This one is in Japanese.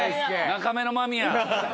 中目の間宮。